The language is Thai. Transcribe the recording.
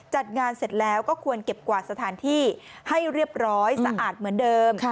จัดงานเสร็จแล้วก็ควรเก็บกวาดสถานที่ให้เรียบร้อยสะอาดเหมือนเดิม